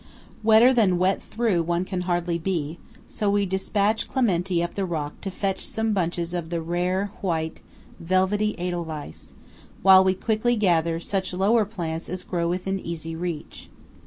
Wetter than wet through one can hardly be; so we despatch Clementi up the rock to fetch some bunches of the rare, white, velvety Edelweiss, while we quickly gather such lower plants as grow within easy reach.